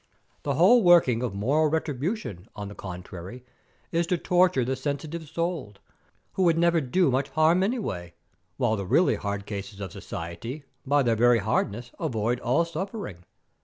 The whole working of moral retribution, on the contrary, is to torture the sensitive souled, who would never do much harm any way, while the really hard cases of society, by their very hardness, avoid all suffering.